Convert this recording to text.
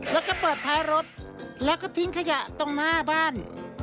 แล้วก็เปิดท้ายรถแล้วก็ทิ้งขยะตรงหน้าบ้าน